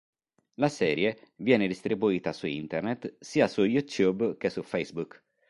La serie viene distribuita su Internet sia su YouTube che su Facebook.